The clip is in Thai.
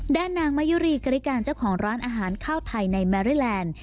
นางมะยุรีกริการเจ้าของร้านอาหารข้าวไทยในแมรี่แลนด์